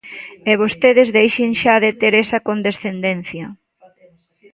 E vostedes deixen xa de ter esa condescendencia.